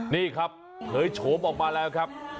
นี่ครับเผยโฉมออกมาแล้วครับ